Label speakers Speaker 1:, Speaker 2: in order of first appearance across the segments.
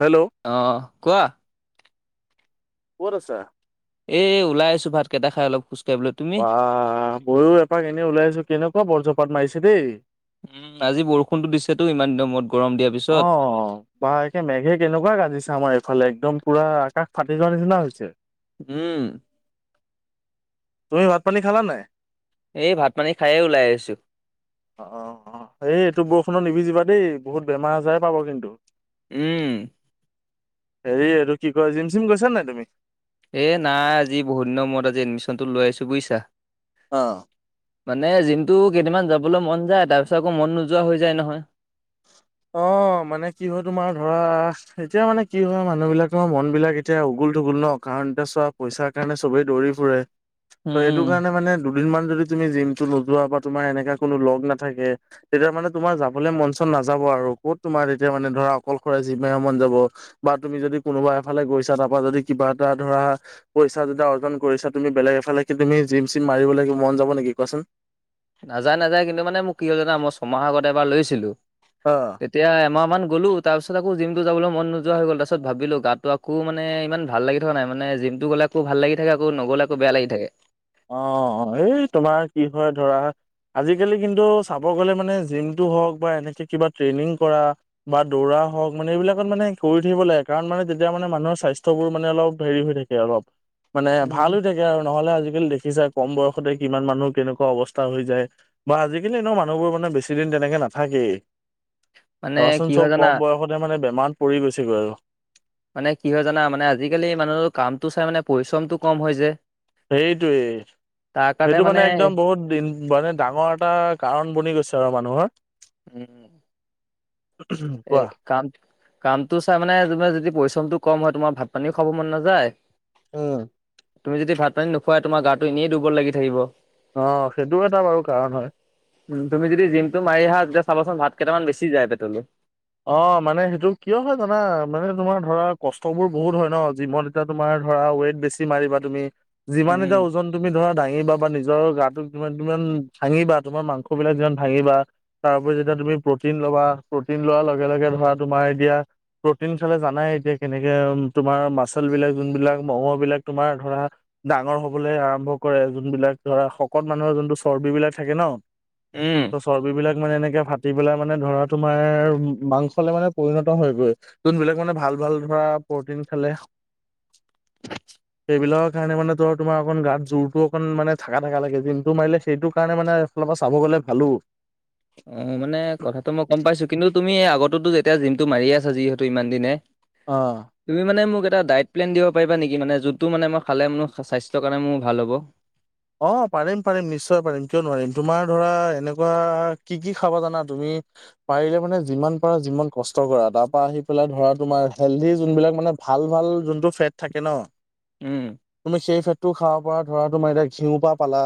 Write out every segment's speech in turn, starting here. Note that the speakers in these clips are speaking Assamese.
Speaker 1: হেল্ল!
Speaker 2: অঁ', কোৱা।
Speaker 1: কত আছা?
Speaker 2: এ, ওলাই আছো। ভাতকেইটা খাই অলপ খুছ
Speaker 1: বা, মইও এপাক এনেই ওলাই আহিছো, কেনেকুৱা বৰ্জপাত মাৰিছে দেই।
Speaker 2: উম, আজি বৰষুণটো দিছেটো ইমান দিনৰ মূৰত। গৰম দিয়া
Speaker 1: অঁ--অঁ বা, এতিয়া মেঘে কেনেকুৱা গাজিছে আমাৰ এইফালে। একদম পুৰা আকাশ ফাটি যোৱাৰ নিচিনা হৈছে।
Speaker 2: উম।
Speaker 1: তুমি ভাত-পানী খালা নাই?
Speaker 2: এই ভাত-পানী খায়েই ওলাই আহিছোঁ।
Speaker 1: অঁ, অঁ, এই- এইটো বৰষুণত নিভিজিবা দেই। বহুত বেমাৰ আজাৰে পাব কিন্তু।
Speaker 2: উম।
Speaker 1: হেৰি, এইটো কি কয়? জিম-চিম গৈছা নাই তুমি?
Speaker 2: এ নাই। আজি বহুত দিনৰ মূৰত, আজি এডমিশ্যনটো লৈ আহিছোঁ। বুজিছা।
Speaker 1: অঁ
Speaker 2: মানে জিমটো, কেইদিনমান যাবলৈ মন যায়। তাৰপিছত আকৌ মন নোযোৱা হৈ যায় নহয়।
Speaker 1: অঁ, মানে কি হয় তোমাৰ, ধৰা এতিয়া মানে কি হয়, মানুহবিলাকৰ মনবিলাক এতিয়া উগুল-থুুগুল ন'। কাৰণ এতিয়া চোৱা, পইচা কাৰণেই চবেই দৌৰি ফুৰে। ত', সেইটোক
Speaker 2: উম,
Speaker 1: সেইটো কাৰণে মানে, দুদিন মান যদি তুমি জিমটো নোযোৱা বা তোমাৰ এনেকা কোনো লগ নাথাকে তেতিয়া মানে তোমাৰ যাবলৈ মন- চন নাযাব আৰু। ক'ত তোমাৰ তেতিয়া মানে ধৰা অকলশৰে জিম মাৰিব মন যাব। বা তুমি যদি কোনোবা এফালে গৈছা, তাৰপা যদি কিবা এটা ধৰা পইচা দুটা অৰ্জন কৰিছা তুমি বেলেগ এফালে। তুমি জিম-চিম মাৰিব লাগিব, মন যাব নেকি, কোৱাচোন?
Speaker 2: নাযায়, নাযায়। কিন্তু মানে মোক কি হ'ল জানা, মই ছমাহ আগত এবাৰ লৈছিলোঁ।
Speaker 1: অ'।
Speaker 2: এতিয়া এমাহমান গ'লো। তাৰ পিছত আকৌ জিমটো যাবলৈ মন নোযোৱা হৈ গ'ল। তাৰ পিছত ভাবিলোঁ গাটো আকৌ। কো মানে, ইমান ভাল লাগি থকা নাই। মানে জিমটো গ'লে আকৌ ভাল লাগি থাকে আকৌ নগ'লে বেয়া লাগি থাকে।
Speaker 1: অ', এই তোমাৰ কি হয় ধৰা। আজিকালি কিন্তু চাব গ'লে মানে, জিমটো হওঁক বা এনেকে কিবা ট্ৰেইনিং কৰা। বা দৌৰা হওক, মানে এইবিলাকত মানে কৰি থাকিব লাগে কাৰণ তেতিয়া মানে মানুহৰ স্বাস্থ্যবোৰ মানে অলপ হেৰি হৈ থাকে। অলপ, মানে
Speaker 2: উম,
Speaker 1: ভাল হৈ থাকে আৰু নহ'লে আজিকালি দে। দেখিছাই কম বয়সতে কিমান মানুহ কেনেকুৱা অৱস্থা হৈ যায়। বা আজিকালি ন মানুহবোৰ মানে বেছি দিন তেনেকে নাথাকেই।
Speaker 2: মানে
Speaker 1: ধৰাচোন
Speaker 2: কি হয়
Speaker 1: চব
Speaker 2: জানা?
Speaker 1: কম বয়সতে মানে বেমাৰত পৰি গৈছেগৈ আৰু।
Speaker 2: মানে কি হয় জানা, মানে আজিকালি মানুহৰ কামটো চাই মানে পৰিশ্ৰমটো কম হৈ যে।
Speaker 1: সেইটোৱেই,
Speaker 2: তাৰ কাৰণে
Speaker 1: সেইটো মানে একদম বহুত দিন। মানে ডাঙৰ এটা কাৰণ বনি গৈছে আৰু মানুহৰ।
Speaker 2: উম,
Speaker 1: উ,
Speaker 2: এই
Speaker 1: কোৱা।
Speaker 2: কাম, কামটো চাই মানে তোমাৰ যদি পৰিশ্ৰমটো কম হয় তোমাৰ ভাত পানীও খাব মন নাযায়।
Speaker 1: উম।
Speaker 2: তুমি যদি ভাত পানী নোখোৱাই তোমাৰ গাটো এনেই দুৰ্বল লাগি থাকিব।
Speaker 1: অ', সেইটোও এটা বাৰু কাৰণ হয়।
Speaker 2: উম, তুমি যদি জিমটো মাৰি আহা তেতিয়া চাবাচোন ভাত কেইটামান বেছি যায় পেটলৈ।
Speaker 1: অ', মানে সেইটো কিয় হয় জানা মানে তোমাৰ ধৰা কষ্ট বোৰ বহুত হয় ন' জীৱন। ত' তোমাৰ ধৰা ৱেইট বেছি মাৰিবা তুমি
Speaker 2: উম,
Speaker 1: যিমানে তোমাৰ ওজন। তুমি ধৰা দাঙিবা বা নিজৰ গাটো তোমাৰ যিমান ভাঙিবা, তোমাৰ মাংস বিলাক যিমান ভাঙিবা। তাৰওপৰি যেতিয়া তুমি প্ৰটিন লবা প্ৰটিন লোৱাৰ লগে লগে ধৰা তোমাৰ এতিয়া। প্ৰটিন খালে জানাই এতিয়া কেনেকে তোমাৰ মাচল বিলাক যোনবিলাক মঙহবিলাক তোমাৰ ধৰা। ডাঙৰ হ'বলৈ আৰম্ভ কৰে যোন বিলাক ধৰা, শকত মানুহৰ যোনটো চৰ্বিবিলাক থাকে ন'।
Speaker 2: উম।
Speaker 1: ত' চৰ্বি বিলাক মানে এনেকে ফাটি পেলাই মানে ধৰা তোমাৰ। মাংসলে মানে পৰিণত হয় গৈ, যোনবিলাক মানে ভাল ভাল ধৰা প্ৰটিন খালে। [inaudible]
Speaker 2: [inaudible]
Speaker 1: সেইবিলাকৰ কাৰণে মানে ধৰা তোমাৰ অকণ গাত জোৰতো অকণ মানে থাকা থাকা লাগে জিমটো মাৰিলে, সেইটো কাৰণে মানে। সেই ফালৰ পৰা চাব গ'লে ভালো।
Speaker 2: অ', মানে কথাটো মই গম পাইছো, কিন্তু তুমি আগততো যেতিয়া জিমটো মাৰি আছা যিহেতু ইমান দিনে।
Speaker 1: অ'।
Speaker 2: তুমি মানে মোক এটা ডাইট প্লেন দিব পাৰিবা নেকি, মানে যোনটো মানে মই খালে মোৰ স্বাস্থ্যৰ কাৰণে মোৰ ভাল হ'ব।।
Speaker 1: অ', পাৰিম, পাৰিম, নিশ্চয় পাৰিম, কিয় নোৱাৰিম তোমাৰ ধৰা এনেকুৱা কি কি খাব জানা তুমি। পাৰিলে মানে যিমান পাৰা জিমত কষ্ট কৰা তাৰ পৰা আহি পেলাই ধৰা তোমাৰ হেলডি যোনবিলাক মানে। ভাল ভাল যোনটো ফেট থাকে ন'।
Speaker 2: উম,
Speaker 1: তুমি সেই ফেটটো খাব পাৰা ধৰা তোমাৰ এতিয়া ঘিউৰ পৰা পালা।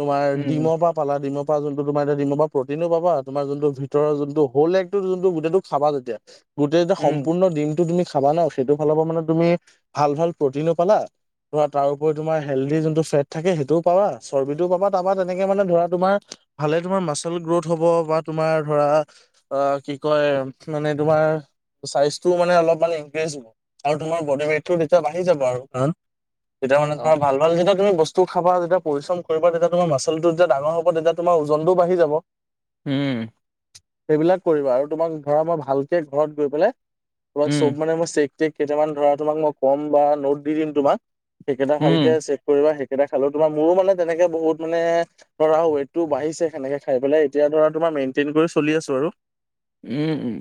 Speaker 1: তোমাৰ
Speaker 2: উম,
Speaker 1: ডিমৰ পৰা। পালা ডিমৰ পৰা যোনটো তোমাৰ এতিয়া পালা ডিমৰ পৰা প্ৰটিনো পাবা, তোমাৰ যোনটো ভিতৰৰ যোনটো হ'ল এগটো যোনটো গোটেইটো। চাবা তেতিয়া, গোটেই যেতিয়া
Speaker 2: উম,
Speaker 1: সম্পূৰ্ণ ডিমটো তুমি খাবা ন'। সেইটো ফালৰ পৰা মানে তুমি ভাল ভাল প্ৰটিনো পালা ধৰা তাৰওপৰি তোমাৰ হেলডি যোনটো ফেট। থাকে সেইটোও পাবা, চৰ্বিটোও পাবা তাৰপৰা তেনেকে মানে ধৰা তোমাৰ। ভালে তোমাৰ মাচল গ্ৰোথ হ'ব বা তোমাৰ ধৰা অ', কি কয় মানে তোমাৰ চাইজটো মানে অলপ মন ইম্প্ৰেছ আৰু তোমাৰ বডি ৱেইটটো তেতিয়া বাঢ়ি যাব আৰু তেতিয়া মানে
Speaker 2: অ',
Speaker 1: তোমাৰ ভাল ভাল যেতিয়া তুমি বস্তু টো খাবা যেতিয়া পৰিশ্ৰম কৰিব তেতিয়া তোমাৰ মাচলটো যেতিয়া ডাঙৰ হ'ব তেতিয়া তোমাৰ ওজনটোও বাঢ়ি যাব।
Speaker 2: উম।
Speaker 1: সেইবিলাক কৰিবা আৰু তোমাক ধৰা মই ভালকে ঘৰত গৈ পেলাই তোমাক
Speaker 2: উম,
Speaker 1: চব মানে মই চেক কেইটামান ধৰা তোমাক মই ক'ম বা নোট দি দিম তোমাক সেইকেইটা ভালকে
Speaker 2: উম,
Speaker 1: চেক কৰিবা। কেইটা খালেও তোমাৰ, মোৰো মানে তেনেকে বহুত মানে ধৰা ৱেটটো বাঢ়িছে সেনেকে খাই পেলাই, এতিয়া ধৰা তোমাৰ মেইনটেইন কৰি চলি আছো আৰু।
Speaker 2: উম, উম,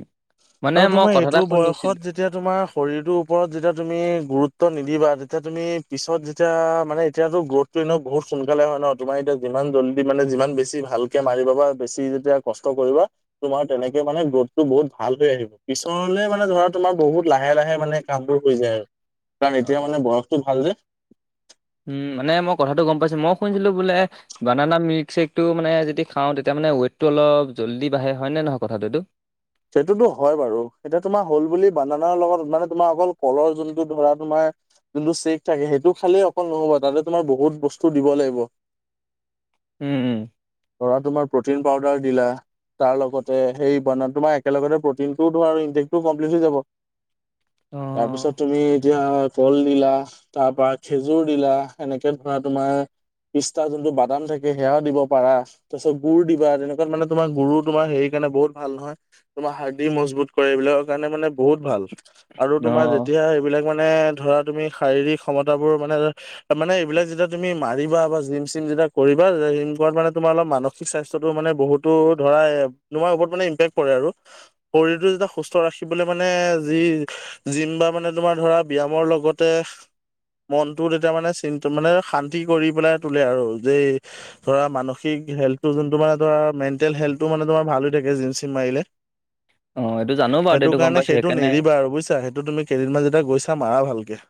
Speaker 2: মানে
Speaker 1: আৰু
Speaker 2: মই
Speaker 1: তোমাৰ
Speaker 2: কথা এটা
Speaker 1: এইটো বয়সত
Speaker 2: শুনিছিলো
Speaker 1: যে তেতিয়া তোমাৰ শৰীৰটোৰ ওপৰত যেতিয়া তুমি গুৰুত্ব নিদিবা, তেতিয়া তুমি পিছত যেতিয়া মানে এতিয়াতো গ্ৰথটো নহও বহুত সোনকালে হয় ন তোমাৰ এতিয়া যিমান জল্দি মানে যিমান বেছি ভালকৈ মাৰিব পা বা বেছি যেতিয়া। কষ্ট কৰিবা। তোমাৰ তেনেকে মানে গ্ৰোথটো বহুত ভাল হৈ আহিব পিছলে মানে ধৰা তোমাৰ বহুত লাহে লাহে মানে। কাম বোৰ হৈ যায় আৰু কাৰণ এতিয়া
Speaker 2: অ',
Speaker 1: মানে বয়সটো ভাল যে।
Speaker 2: উম মানে মই কথাটো গম পাইছো মই শুনিছিলো বোলে। বানানা মিল্কশ্বেকতটো মানে যদি খাওঁ তেতিয়া মানে ৱেটটো অলপ জলদি বাঢ়ে হয় নে নহয় কথাটো এইতটো।
Speaker 1: সেইটোতো হয় বাৰু এতিয়া তোমাৰ হ'ল বুলি বানানৰ লগত মানে তোমাৰ অকল কলৰ যোনটো ধৰা তোমাৰ। যোনটো চেক থাকে সেইটো খালেই অকল নহ'ব তাতে তোমাৰ বহুত বস্তু দিব লাগিব।
Speaker 2: উম, উম,
Speaker 1: পৰা তোমাক প্ৰটিন পাউদাৰ দিলা তাৰ লগতে সেই বানান তোমাৰ। একেলগতে প্ৰ'টিনটোও ধৰা আৰু ইনটেকটোও কমপ্লিট হৈ যাব তাৰপিছত
Speaker 2: অ',
Speaker 1: তুমি এতিয়া কল দিলা তাৰ পৰা খেজুৰ দিলা এনেকে ধৰা তোমাৰ। পিষ্ঠাৰ যোনটো বাদাম থাকে সেয়াও দিব পাৰা। তাৰ পিছত গুৰ দিবা তেনেকুৱাত মানে তোমাৰ গুৰ তোমাৰ হেৰি কাৰণে বহুত ভাল নহয়। তোমাৰ হাৰ দি মজবুত কৰে এইবিলাকৰ কাৰণে মানে বহুত ভাল আৰু তোমাৰ
Speaker 2: অ',
Speaker 1: যেতিয়া এইবিলাক। মানে ধৰা তুমি শাৰীৰিক ক্ষমতাবোৰ মানে। মানে এইবিলাক যেতিয়া তুমি মাৰিবা বা জিম চিম যেতিয়া কৰিবা জিম কৰাত মানে তোমাৰ অলপ মানসি কি স্বাস্থ্যটো মানে বহুতো ধৰা তোমাৰ ওপৰত মানে ইম্পেক্ট পৰে আৰু। শৰীৰটো যেতিয়া সুস্থ ৰাখিবলৈ মানে যি। জিম বা মানে তোমাৰ ধৰা ব্যয়ামৰ লগতে। মনটোত তেতিয়া মানে চি মানে শান্তি কৰি পেলাই তোলে আৰু যেই। ধৰা মানসিক হেল যোনটো মানে ধৰা মেণ্টেল হেলটো মানে তমাৰ ভাল হৈ থাকে জিম -চিম মাৰিলে।
Speaker 2: অ এইটো জানো। বাৰু
Speaker 1: সেইটো
Speaker 2: এইটো গম
Speaker 1: কাৰণে
Speaker 2: পাইছো
Speaker 1: সেইটো
Speaker 2: সেইকাৰণে
Speaker 1: নেৰিবা আৰু বুজিছা সেইটো তুমি কেইদিনমান যেতিয়া গৈছা মাৰা ভালকে।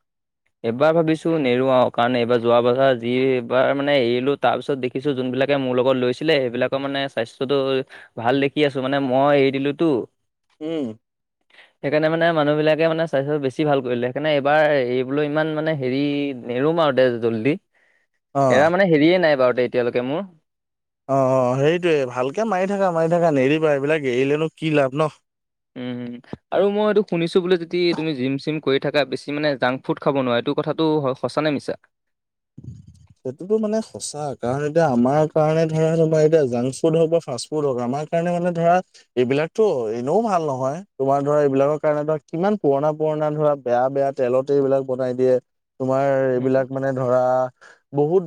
Speaker 2: এবাৰ ভাবিছোঁ নেৰু কাৰণে এইবাৰ যোৱা বছাৰ যি এইবাৰ মানে এৰিলো তাৰ পিছত দে। কিছু যোনবিলাকে মোৰ লগত লৈছিলে সেইবিলাকৰ মানে স্বাস্থ্যটো। ভাল দেখি আছোঁ মানে মই এৰি দিলোতো।
Speaker 1: উম।
Speaker 2: সেইকাৰণে মানে মানুহবিলাকে মানে স্বাস্থ্য বেছি ভাল কৰিলে সেইকাৰে এইবাৰ এই। বোলো ইমান মানে হেৰি নেৰোমা দেছটি জল্দি এৰা
Speaker 1: অ',
Speaker 2: মানে হেৰিয়ে নাই বাৰু। এতিয়ালৈকে মোৰ।
Speaker 1: অ অ সেইটোয়ে ভালকে মাৰি থাকা মাৰি থাকা নেৰিবা এইবিলাক এৰিলেনো কি লাভ ন।
Speaker 2: উম আৰু মই এইটো শুনিছো বোলে যদি তুমি জিম চিম কৰি থাকা বেছি মানে জাং। ফুড খাব নোৱাৰে এইটো কথাটো সঁচা নে মিছা।
Speaker 1: সেইটোতো মানে সঁচা, কাৰণ এতিয়া আমাৰ কাৰণে ধৰা তোমাৰ এতিয়া জাংক ফুড হওক বা ফাৰ্ষ্ট ফুড ফুড হওঁক, আমাৰ কাৰণে মানে ধৰা, এইবিলাকতো এনেও ভাল নহয়। তোমাৰ ধৰা এইবিলাকৰ কাৰণে ধৰা, কিমান পুৰণা- পুৰণা ধৰা বেয়া- বেয়া তেলতে এইবিলাক বনাই দিয়ে। তোমাৰ এইবিলাক
Speaker 2: উম,
Speaker 1: মানে ধৰা, বহুত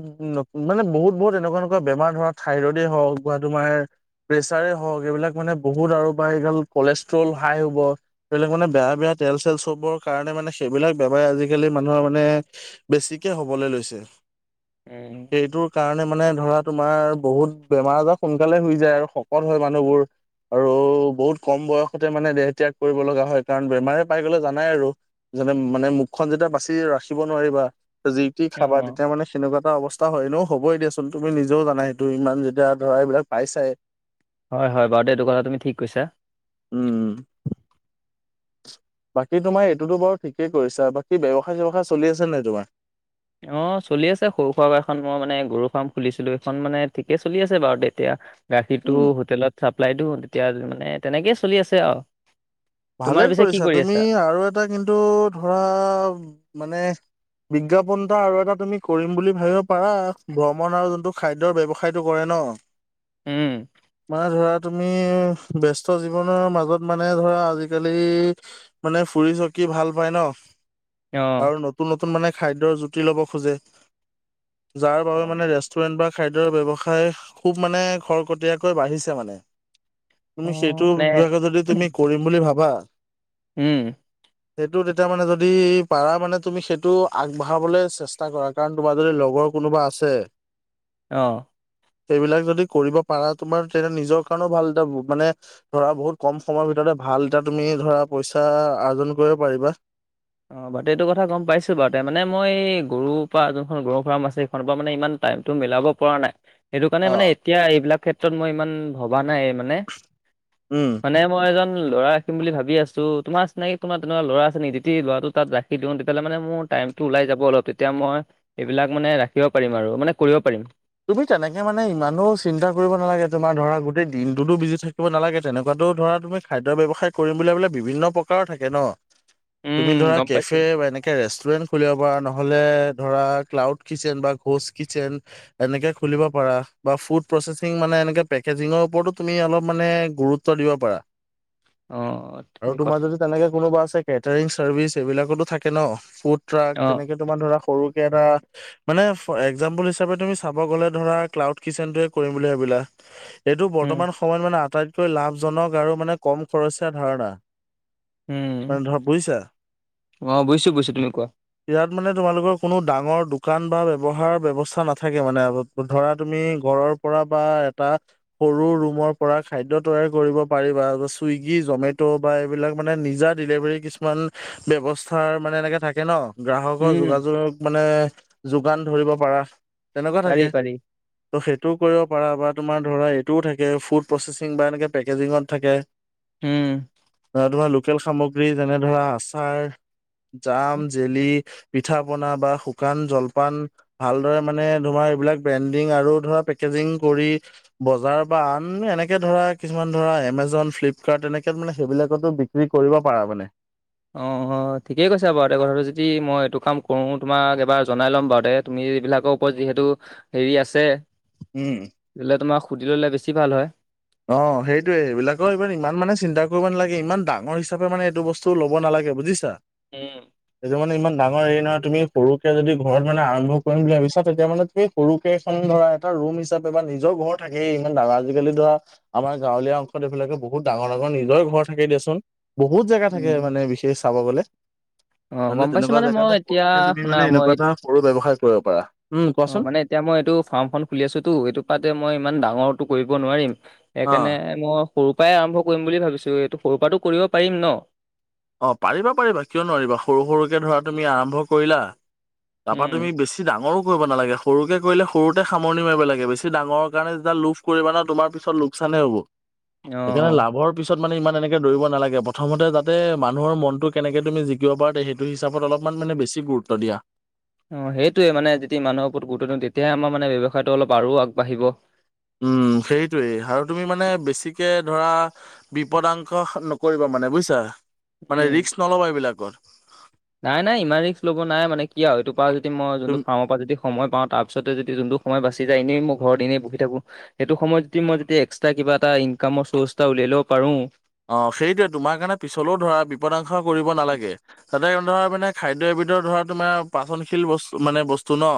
Speaker 1: মানে বহুত- বহুত এনেকুৱা- এনেকুৱা বেমাৰ ধৰক, থাইৰইডে হওক বা তোমাৰ প্ৰেচাৰে হওক, এইবিলাক মানে বহুত আৰু বা এটাই কলেষ্ট্ৰল হাই হ'ব। এইবিলাক মানে বেয়া- বেয়া তেল- চেল, চবৰ কাৰণে মানে সেইবিলাক বেমাৰ আজিকালি মানুহৰ মানে বেছিকে হ'বলৈ লৈছে।
Speaker 2: উম।
Speaker 1: সেইটোৰ কাৰণে মানে ধৰা, তোমাৰ বহুত বেমাৰ আজাৰ সোনকালে হৈ যায়। আৰু শকত হয় মানুহবোৰ। আৰু বহুত কম বয়সতে মানে দেহ ত্যাগ কৰিব লগা হয়। কাৰণ বেমাৰে পাই গ'লে জানাই আৰু। যেনে মানে মুখখন যেতিয়া বাচি ৰাখিব নোৱাৰিবা। যি টি
Speaker 2: অ
Speaker 1: খাবা তেতিয়া মানে তেনেকুৱা এটা অৱস্থা হয় ন। হ'বই দিয়াচোন, তুমি নিজেও জানা সেইটো ইমান যেতিয়া ধৰা, এইবিলাক পাইছাই।
Speaker 2: হয়- হয় বাৰু দে, এইটো কথা তুমি ঠিক কৈছা।
Speaker 1: উম। বাকী তোমাৰ এইটোতো বাৰু ঠিকেই কৰিছা। বাকী ব্যৱসায়- চেৱসায় চলি আছে নাই তোমাৰ?
Speaker 2: অ, চলি আছে সৰু সুৰা এখন মই মানে গৰু ফাৰ্ম খুলিছিলো। সেইখন মানে ঠিকে চলি আছে বাৰু। তেতিয়া গাখীৰটো
Speaker 1: উম,
Speaker 2: হোটেলত চাপ্লাইটো এতিয়া মানে, তেনেকেই চলি আছে আৰু।
Speaker 1: ভালে
Speaker 2: তোমাৰ পিছে কি
Speaker 1: কৰিছা।
Speaker 2: কৰি
Speaker 1: তুমি
Speaker 2: আছা
Speaker 1: আৰু এটা কিন্তু ধৰা, মানে বিজ্ঞাপনটা আৰু এটা তুমি কৰিম বুলি ভাবিব পাৰা। ভ্ৰমণ আৰু যোনটো খাদ্যৰ ব্যৱসায়। সেইটো কৰে ন।
Speaker 2: উম
Speaker 1: মানে ধৰা তুমি ব্যস্ত জীৱনৰ মাজত মানে ধৰা, আজি আজিকালি মানে ফুৰি চকি ভাল পাই ন।
Speaker 2: অ
Speaker 1: আৰু নতুন নতুন- নতুন মানে খাদ্যৰ জুতি ল'ব খোজে। যাৰ
Speaker 2: অ
Speaker 1: বাবে মানে ৰেষ্ট ৰেষ্টুৰেণ্ট বা খাদ্যৰ ব্যৱসায় খুব মানে খৰকটীয়াকৈ বাঢ়িছে মানে। তুমি সেইটো
Speaker 2: মানে
Speaker 1: বিভাগত যদি তুমি কৰিম বুলি ভাৱা।
Speaker 2: উম।
Speaker 1: সেইটো তেতিয়া মানে যদি পাৰা, মানে তুমি সেইটো আগবঢ়াবলৈ চেষ্টা কৰা। কাৰণ তোমাৰ যদি লগৰ কোনোবা আছে।
Speaker 2: অঁ।
Speaker 1: সেইবিলাক যদি কৰিব পাৰা, তোমাৰ তেতিয়া নিজৰ কাৰণেও ভাল। এটা মানে ধৰা, বহুত কম সময়ৰ ভিতৰতে ভাল এটা তুমি ধৰা, পইচা অৰ্জন কৰিব পাৰিবা।
Speaker 2: অ, এইটো কথা গম পাইছো। মানে মই গৰুৰ পৰা গৰুৰ ফাৰ্ম আছে, সেইখনৰ পৰা মানে ইমান টাইমটো মিলাব পৰা নাই। সেইটো কাৰণে মানে এতিয়া এইবিলাক ক্ষেত্ৰত মই ইমান ভৱা নাই। মানে,
Speaker 1: উম।
Speaker 2: মানে মই এজন ল'ৰা ৰাখিম বুলি ভাবি আছো। তোমাৰ চিনাকী কোনোবা তেনেকুৱা ল'ৰা আছে নেকি? ল'ৰাটো তাত ৰাখি দিওঁ, তেতিয়াহলে মানে মোৰ টাইমটো ওলাই যাব। অলপ তেতিয়া মই এইবিলাক মানে ৰাখিব পাৰিম, আৰু মানে কৰিব পাৰিম।
Speaker 1: তুমি তেনেকে মানে ইমানো চিন্তা কৰিব নালাগে। তোমাৰ ধৰা গোটেই দিনটোতো বিজি থাকিব নালাগে। তেনেকুৱাটো ধৰা তুমি খাদ্যৰ ব্যৱসায় কৰিম বুলিলে, বিভিন্ন প্ৰকাৰৰ থাকে ন। তুমি
Speaker 2: উম
Speaker 1: ধৰা,
Speaker 2: গম পাইছো
Speaker 1: কেফে বা এনেকে ৰেষ্টুৰেণ্ট। খুলিব পৰা। নহ'লে ধৰা, ক্লাউড কিটচেন বা কৌজি কিটচেন। এনেকে খুলিব পাৰা, বা ফুড প্ৰচেচিং মানে এনেকে পেকেজিঙৰ ওপৰতো তুমি অলপ মানে গুৰুত্ব গুৰুত্ব দিব পাৰা।
Speaker 2: অ, অ,
Speaker 1: আৰু
Speaker 2: ঠিক
Speaker 1: তোমাৰ
Speaker 2: কথা।
Speaker 1: যদি তেনেকে কোনোবা আছে কেটাৰিং চাৰ্ভিচ এইবিলাকতো থাকে ন ফুড ট্ৰাক
Speaker 2: অ
Speaker 1: তেনেকে। তোমাৰ ধৰা সৰুকেই এটা মানে এক্সজামপিল হিচাবে তুমি। চাব গ'লে ধৰা ক্লাউড কিচেনটোয়ে কৰিম বুলি ভাবিলা, এইটো
Speaker 2: উম
Speaker 1: বৰ্তমান। বৰ্ত্তমান মানে আটাইতকৈ লাভজনক আৰু মানে কম খৰচীয়া ধাৰণা।
Speaker 2: উম
Speaker 1: মানে ধৰা বুজিছা
Speaker 2: অ বুজিছোঁ বুজিছো, তুমি কোৱা।
Speaker 1: ইয়াত মানে তোমালোকৰ কোনো ডাঙৰ দোকান বা ব্যৱহাৰৰ ব্যৱস্থা নাথাকে। থাকে মানে ধৰা তুমি ঘৰৰ পৰা বা এটা। সৰু ৰুমৰ পৰা খাদ্য তৈয়াৰ কৰিব পাৰিবা চুইগি জমেট'। বা এইবিলাক মানে নিজা ডিলিভাৰী কিছুমান ব্যৱস্থাৰ মানে এনেকে থাকে ন। গ্ৰাহকৰ
Speaker 2: উম
Speaker 1: যোগাযোগক মানে যোগান ধৰিব পাৰা তেনেকুৱা
Speaker 2: পাৰি
Speaker 1: থাকে।
Speaker 2: পাৰি
Speaker 1: ত' সেইটোও কৰিব পাৰা বা তোমাৰ ধৰা এইটোও থাকে ফুড প্ৰচেচিং বা এনেকে পেকেজিঙত থাকে।
Speaker 2: উম।
Speaker 1: ধৰা লোকেল সামগ্ৰী যেনে ধৰা আচাৰ, জাম, জেলি। পিঠা পনা বা শুকান জলপান ভালদৰে। মানে তোমাৰ এইবিলাক ব্ৰেণ্ডিং আৰু ধৰা পেকজিং কৰি। বজাৰ বা আন এনেকে ধৰা কিছুমান ধৰা এমজন ফ্লিপকাৰ্ট এনেকে মানে সেইবিলাকতো বিক। বিক্ৰী কৰিব পাৰা মানে।
Speaker 2: অ অ ঠিকেই কৈছো বাৰু তে কথাটো যদি মই এইটো কাম কৰো তোমাক এবাৰ জনাই ল'ম বাৰু দে। তুমি এইবিলাকৰ ওপৰত যিহেতু হেৰি আছে।
Speaker 1: উম।
Speaker 2: এইবিলাক তোমাক সুধি ল'লে বেছি ভাল হয়।
Speaker 1: অ সেইটোয়ে সেইবিলাকৰ ইবাৰ ইমান মানে চিন্তা কৰিব নালাগে ইমান ডাঙৰ হিচাপে মানে এইটো বস্তু। চ ল'ব নালাগে বুজিছা।
Speaker 2: উম।
Speaker 1: এইটো মানে ইমান ডাঙৰ হেৰি নহয় তুমি সৰুকে যদি ঘৰত মানে আৰম্ভ কৰিম বুলি ভাবিছা তেতিয়া মানে তুমি। সৰুকেইখন ধৰা এটা ৰুম হিচাপে বা নিজৰ ঘৰ থাকে ইমান ধাঙা আজিকালি ধৰা। আমাৰ গাঁৱলীয়া অংশত এইবিলাকে বহুত ডাঙৰ ডাঙৰ নিজৰে ঘৰ থাকে দিয়াচোন। বহুত জেগা থাকে
Speaker 2: উম,
Speaker 1: মানে বিশেষ চাব গ'লে।
Speaker 2: অ',
Speaker 1: মানে
Speaker 2: গম পাইছোঁ
Speaker 1: তেনেকুৱা
Speaker 2: মই
Speaker 1: জেগাতে
Speaker 2: এতিয়া
Speaker 1: সৰুকে তুমি
Speaker 2: শুনা
Speaker 1: মানে
Speaker 2: মই
Speaker 1: এনেকুৱা এটা সৰু ব্যৱসায় কৰিব পাৰা। উম
Speaker 2: অ
Speaker 1: কোৱাচোন
Speaker 2: মানে এতিয়া মই এইটো ফাৰ্মখন খুলি আছো টো এইটো পাতে মই ইমান ডাঙৰটো কৰিব নোৱাৰিম।
Speaker 1: অ
Speaker 2: সেইকাৰণে মই সৰুৰ পৰাই আৰম্ভ কৰিম বুলি ভাবিছোঁ এইটো সৰু পৰাটো কৰিব পাৰিম ন।
Speaker 1: অ পাৰিবা পাৰিবা কিয় নোৱাৰিবা সৰু সৰুকে ধৰা তুমি আৰম্ভ কৰিলা। তাৰপা
Speaker 2: উম,
Speaker 1: তুমি বেছি ডাঙৰো কৰিব নালাগে। সৰুকৈ কৰিলে সৰুতে সামৰি মাৰিব লাগ বেছি ডাঙৰ কাৰণে যেতিয়া লোভ কৰিব না তোমাৰ পিছত লোকচানেই হ'ব। সেইকাৰণে
Speaker 2: অ',
Speaker 1: লাভৰ পিছত মানে ইমান এনেকে দৌৰিব নালাগে প্ৰথমতে যাতে। মানুহৰ মনটো কেনে তুমি জিকিব পাৰা সেটো হিচাপ অলপমান মানে বেছি গুৰুত্ব দিয়া।
Speaker 2: অ সেইটোয়ে মানে যদি মানুহ ওপৰত গুৰুত্ব দিওঁ তেতিয়াহ আমাৰ মানে ব্যৱসায়টো অলপ আৰু আগবাঢ়িব।
Speaker 1: উম সেইটোৱেই আৰু তুমি মানে বেছিকে ধৰা। বিপদাংশ নকৰিবা মানে বুজিছা
Speaker 2: উম।
Speaker 1: মানে ৰিস্ক নল'বা এইবিলাকৰ।
Speaker 2: নাই নাই ইমান ৰিস্ক ল'ব নাই মানে কি হয়েইটো পৰা যদি মই
Speaker 1: তুম
Speaker 2: যোনটো ফাৰ্মৰ পৰা যদি। সময় পাওঁ তাৰ পিছতে যদি যোনটো সময় বাচি যায় এনেই মই ঘৰ দিনেই বহি থাকো। সেইটো সময়ত যদি মই যদি এক্সট্ৰা কিবা এটা ইনকামৰ চ'ৰ্চ এটা উলিয়াই ল'ব পাৰো।
Speaker 1: অ সেইটোয়ে তোমাৰ কাৰণে পিছলৈও ধৰা বিপদাংশ কৰিব নালাগে। তাতে ধৰা মানে খাদ্য এবিধৰ ধৰা তোমাৰ পাচনশীল বস্তু মানে বস্তু ন।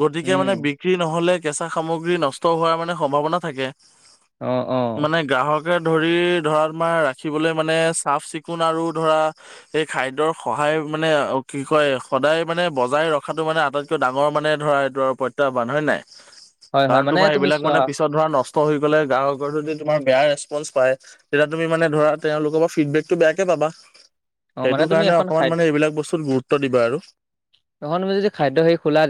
Speaker 1: গতিকে মানে
Speaker 2: উম
Speaker 1: বিক্ৰী নহলে কেঁচা সামগ্ৰী নষ্ট হোৱাৰ মানে সম্ভাৱনা থাকে।
Speaker 2: অ অ
Speaker 1: মানে গ্ৰাহকে ধৰি ধৰ মাৰ ৰাখিবলৈ মানে চাফ চিকুণ আৰু ধৰা এই খাদ্যৰ সহায় মানে অ' কি কয় সদায় মানে বজাই ৰখাটো মানে আটাইতক টো ডাঙৰ মানে ধৰা এইটো আৰু প্ৰত্যাহ্বান হয়নে নাই।
Speaker 2: হয় হয়
Speaker 1: কাৰণ
Speaker 2: মানে
Speaker 1: তোমাৰ
Speaker 2: তুমি
Speaker 1: এইবিলাক
Speaker 2: চোৱা
Speaker 1: মানে পিছত ধৰা নষ্ট হৈ গ'লে গ্ৰাহকৰ যদি তোমাৰ বেয়া ৰেচপঞ্চ পায়। তেতিয়া তুমি মানে ধৰা তেওঁলোকৰ পৰা ফিডবেকটো বেয়াকে পাবা।
Speaker 2: অ মানে
Speaker 1: সেইটো
Speaker 2: তুমি
Speaker 1: কাৰণে
Speaker 2: এখন
Speaker 1: অকণমান
Speaker 2: খাদ্য
Speaker 1: মানে এইবিলাক বস্তুত গুৰুত্ব দিবা আৰু।
Speaker 2: [unintelligible] মই যদি খাদ্য হে খোলা